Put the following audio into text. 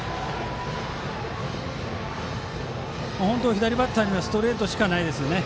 左バッターにはストレートしかないですね。